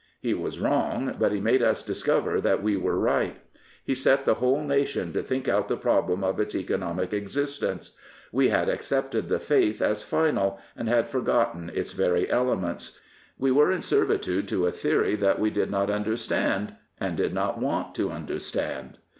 He was wrong; but he made us discover that we were right. He set the whole nation to think out the problem of its economic existence. We had accepted the faith as final, and had forgotten its very elements. We were in servi tude to a theory that we did not understand and did not want to understand.